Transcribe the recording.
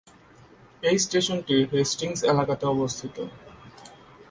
এই স্টেশনটি হেস্টিংস এলাকাতে অবস্থিত।